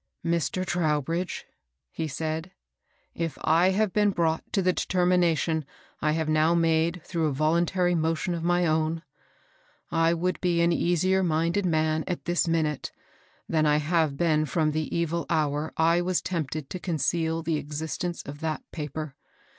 "Mr. Trowbridge," he said, "if I had been brought to the determination I have now made through a voluntary motion of my own, I would be an easier minded man at tbk \sMKSQ5Mi^ 420 MABBL BOSS. than I have been from the evil hour I was tempted to conceal the existence of that paper.